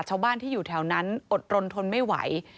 ชาวบ้านที่อยู่แถวนั้นอดรนทนไม่ไหว